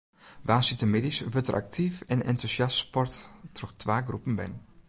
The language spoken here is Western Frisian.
Woansdeitemiddeis wurdt der aktyf en entûsjast sport troch twa groepen bern.